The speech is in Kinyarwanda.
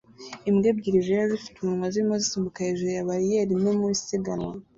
Imbwa ebyiri zera zifite umunwa zirimo zisimbuka hejuru ya bariyeri nto mu isiganwa